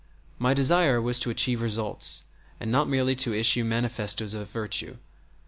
My desire was to achieve results, and not merely to issue manifestoes of virtue.